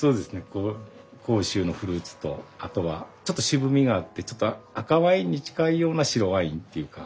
こう甲州のフルーツとあとはちょっと渋みがあってちょっと赤ワインに近いような白ワインっていうか。